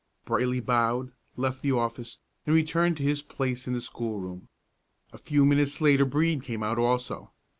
Brightly bowed, left the office, and returned to his place in the schoolroom. A few minutes later Brede came out also.